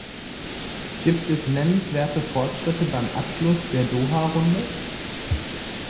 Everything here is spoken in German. Gibt es nennenswerte Fortschritte beim Abschluss der Doha-Runde?